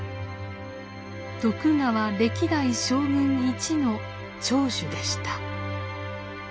徳川歴代将軍一の長寿でした。